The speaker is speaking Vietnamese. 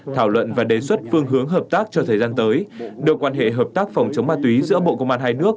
thảo luận và đề xuất phương hướng hợp tác cho thời gian tới đưa quan hệ hợp tác phòng chống ma túy giữa bộ công an hai nước